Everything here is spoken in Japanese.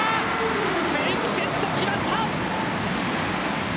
フェイクセット、決まった。